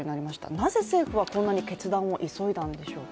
なぜ政府はこんなに決断を急いだんでしょうか？